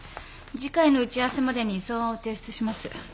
次回の打ち合わせまでに草案を提出します。